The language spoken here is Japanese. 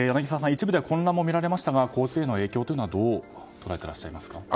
一部では混乱も見られましたが交通への影響はどう捉えていますか？